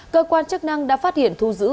cơ quan chức năng đã phát hiện thu giữ